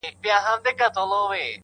او شرم دې احساس کړي